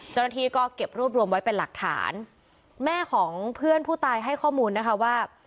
เจ้าหน้าที่ก็เก็บรวบรวมไว้เป็นหลักฐานแม่ของเพื่อนผู้ตายให้ข้อมูลนะคะว่า